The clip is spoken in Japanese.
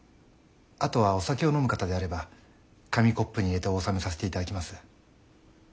あとはお酒を飲む方であれば紙コップに入れてお納めさせていただきます。